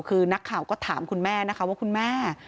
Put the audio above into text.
คือนักข่าวก็ถามคุณแม่นะคะว่าคุณแม่